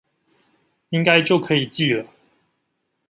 應該就可以寄了